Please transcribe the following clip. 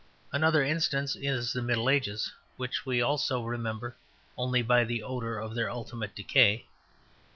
Another instance is the Middle Ages, which we also remember only by the odour of their ultimate decay.